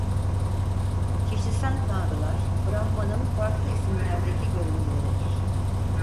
Kişisel Tanrılar Brahman'ın farklı isimlerdeki görünümleridir.